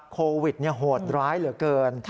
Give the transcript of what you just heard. โควิดเนี่ยโหดร้ายเหลือเกิน